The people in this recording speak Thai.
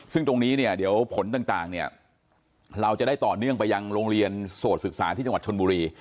ซึ่งตรงนี้เนี่ยเดี๋ยวผลต่างเนี่ยเราจะได้ต่อเนื่องไปยังโรงเรียนโสดศึกษาที่จังหวัดชนบุรี